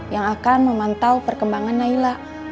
yang akan memantau perkembangan naila